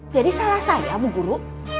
jadi salah saya bu guru